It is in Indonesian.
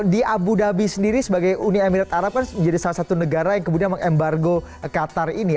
di abu dhabi sendiri sebagai uni emirat arab kan menjadi salah satu negara yang kemudian mengembargo qatar ini